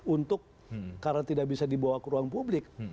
untuk karena tidak bisa dibawa ke ruang publik